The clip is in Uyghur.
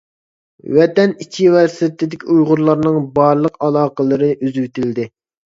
ۋەتەن ئىچى ۋە سىرتىدىكى ئۇيغۇرلارنىڭ بارلىق ئالاقىلىرى ئۈزۈۋېتىلدى.